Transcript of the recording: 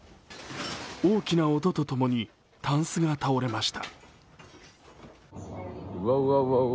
大きな音とともにたんすが倒れました。